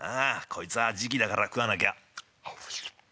こいつは時期だから食わなきゃ。